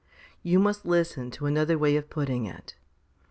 You must listen to another way of putting it.